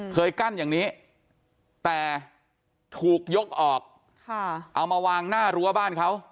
กั้นอย่างนี้แต่ถูกยกออกเอามาวางหน้ารั้วบ้านเขา